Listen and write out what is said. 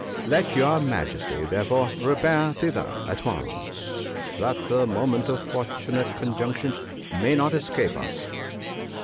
Let your Majesty, therefore, repair thither at once, that the moment of fortunate conjunction ( w ) may not escape us.'